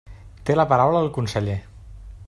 Té la paraula el conseller.